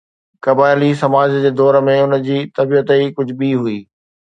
قبائلي سماج جي دور ۾ ان جي طبيعت ئي ڪجهه ٻي هئي.